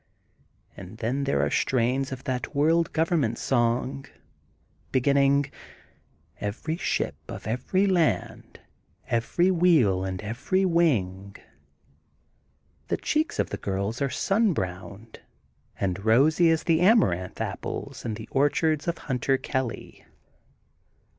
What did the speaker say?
'' And then there are strains of that World Government song, beginning: Every ship of every land, every wheel and every wing.'' The cheeks of the girls are sun browned, and rosy as the Amaranth Apples in^ the orch ards of Hunter Kelly.